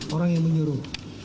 orang yang menyuruh